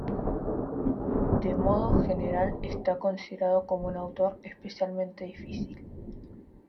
De modo general, está considerado como un autor especialmente difícil.